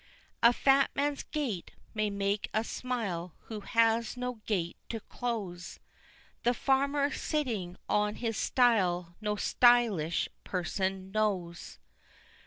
A fat man's gait may make us smile, who has no gate to close; The farmer, sitting on his stile no _sty_lish person knows.